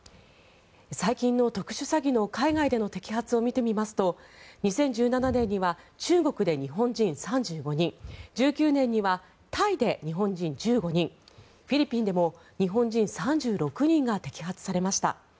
最近の特殊詐欺の海外での摘発を見てみますと２０１７年には中国で日本人３５人１９年には、タイで日本人１５人フィリピンでも日本人３６人が摘発されました。